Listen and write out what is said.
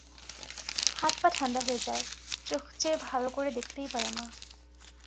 হাত-পা ঠাণ্ডা হয়ে যায়, চোখ চেয়ে ভালো করে দেখতেই পারে না।